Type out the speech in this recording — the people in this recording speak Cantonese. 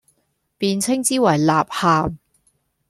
便稱之爲《吶喊》。